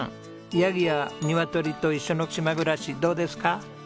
ヤギやニワトリと一緒の島暮らしどうですか？